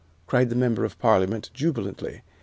cried the member of Parliament jubilantly.